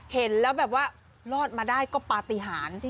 เห็นแล้วแบบว่ารอดมาได้ก็ปฏิหารสิ